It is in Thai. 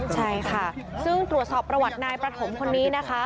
ใช่ค่ะซึ่งตรวจสอบประวัตินายประถมคนนี้นะคะ